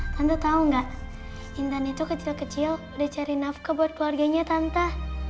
tante tahu enggak intan itu kecil kecil udah cari nafkah buat keluarganya tante